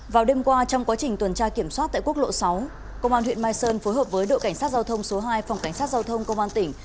vào đêm qua trong quá trình tuần tra kiểm soát tại quốc lộ sáu công an huyện mai sơn phối hợp với đội cảnh sát giao thông số hai phòng cảnh sát giao thông công an tỉnh